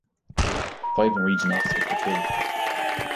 Five Norwegian officers were killed.